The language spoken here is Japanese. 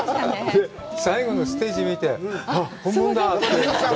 最後のステージ見て、あっ、本物だって。